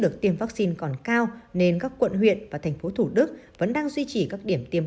lực tiêm vaccine còn cao nên các quận huyện và thành phố thủ đức vẫn đang duy trì các điểm tiêm